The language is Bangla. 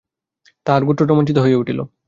তাঁহার গাত্র রোমাঞ্চিত হইয়া উঠিল।